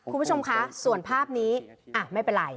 คุณผู้ชมคะส่วนภาพนี้ไม่เป็นไร